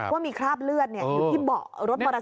ว่ามีคราบเลือดอยู่ที่เบาะรถมอเตอร์ไซ